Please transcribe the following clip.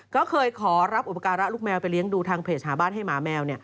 ก็เคยขอรับอุปการะลูกแมวไปเลี้ยงดูทางเพจหาบ้านให้หมาแมว